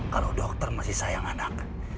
kalau dokter masih sayang anak